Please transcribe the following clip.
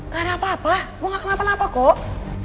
gak ada apa apa gue gak kenapa kenapa napa kok